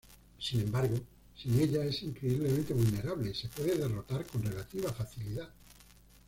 Sin embargo, sin ella es increíblemente vulnerable y se puede derrotar con relativa facilidad.